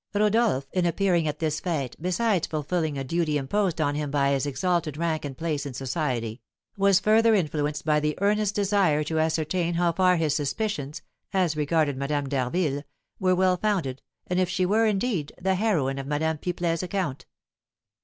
Rodolph, in appearing at this fête, besides fulfilling a duty imposed on him by his exalted rank and place in society, was further influenced by the earnest desire to ascertain how far his suspicions, as regarded Madame d'Harville, were well founded, and if she were, indeed, the heroine of Madame Pipelet's account.